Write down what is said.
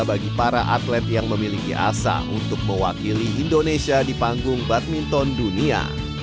bagi para atlet yang memiliki asa untuk mewakili indonesia di panggung badminton dunia